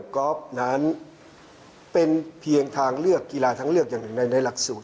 กอล์ฟนั้นเป็นเพียงทางเลือกกีฬาทางเลือกอย่างหนึ่งในหลักสูตร